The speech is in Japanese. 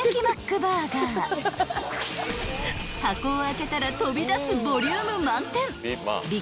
［箱を開けたら飛び出すボリューム満点］